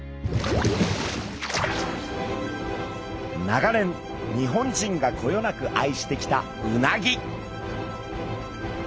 長年日本人がこよなく愛してきたうなぎ。